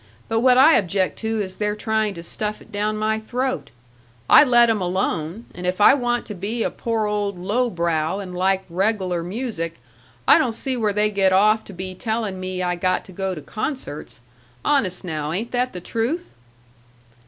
But what I object to is their trying to stuff it down my throat! I let 'em alone, and if I want to be a poor old low brow and like reg'lar music, I don't see where they get off to be telling me I got to go to concerts. Honest now, ain't that the truth?"